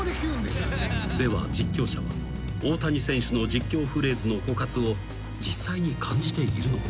［では実況者は大谷選手の実況フレーズの枯渇を実際に感じているのか？］